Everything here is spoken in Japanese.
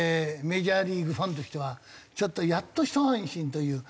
メジャーリーグファンとしてはちょっとやっとひと安心という。